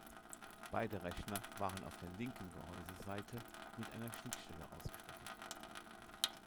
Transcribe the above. Beide Rechner waren auf der linken Gehäuseseite mit einer Schnittstelle ausgestattet.